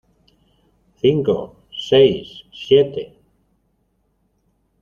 cinco, seis , siete